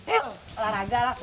eh olahraga lah